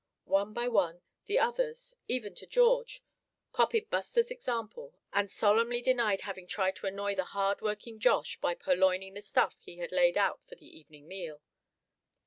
One by one of the others, even to George, copied Buster's example, and solemnly denied having tried to annoy the hard working Josh by purloining the stuff he had laid out for the evening meal.